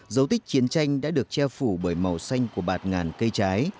dấu tích chiến tranh đã được che phủ bởi màu xanh của bạt ngàn cây trái